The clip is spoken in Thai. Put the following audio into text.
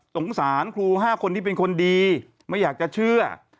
สารครู๕คนที่เป็นคนดีไม่อยากจะเชื่อ